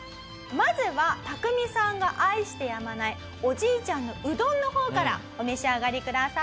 まずはタクミさんが愛してやまないおじいちゃんのうどんの方からお召し上がりください。